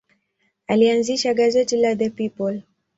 Alianzisha gazeti la The People.